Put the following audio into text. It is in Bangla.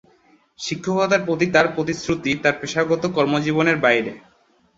শিক্ষকতার প্রতি তাঁর প্রতিশ্রুতি তাঁর পেশাগত কর্মজীবনের বাইরে।